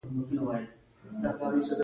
هېڅکله يې خپل افغانيت غريب نه دی بللی.